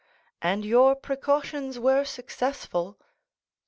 "And your precautions were successful?"